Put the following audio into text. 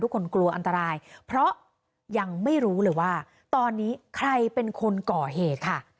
กลัวอันตรายเพราะยังไม่รู้เลยว่าตอนนี้ใครเป็นคนก่อเหตุค่ะ